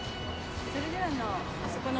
それではあのあそこの。